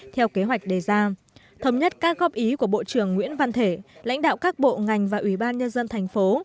theo kế hoạch đề ra thống nhất các góp ý của bộ trưởng nguyễn văn thể lãnh đạo các bộ ngành và ủy ban nhân dân thành phố